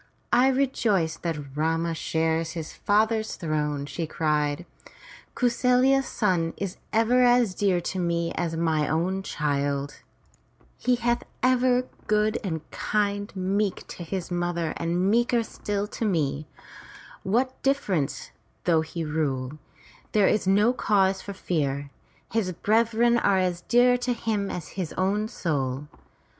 "I rejoice that Rama shares his father's throne!" she cried. '*Kau sarya's son is even as dear to me as mine own child. He MAUOtMISKA PETERSHAM 38s MY BOOK HOUSE hath been ever good and kind, meek to his mother and meeker still to me. What difference though he rule? There is no cause to fear. His brethren are as dear to him as his own soul.''